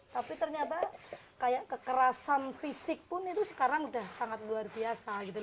tapi ternyata kekerasan fisik pun itu sekarang sudah sangat luar biasa